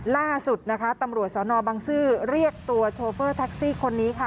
ล่าสุดนะคะตำรวจสนบังซื้อเรียกตัวโชเฟอร์แท็กซี่คนนี้ค่ะ